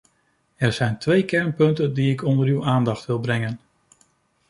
Er zijn twee kernpunten die ik onder uw aandacht wil brengen.